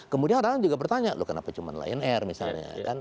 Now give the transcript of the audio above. kemudian ada yang juga bertanya loh kenapa cuma lion air misalnya